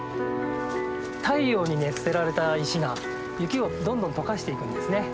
太陽に熱せられた石が雪をどんどん解かしていくんですね。